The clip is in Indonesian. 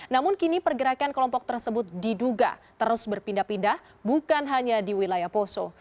namun kini pergerakan kelompok tersebut diduga terus berpindah pindah bukan hanya di wilayah poso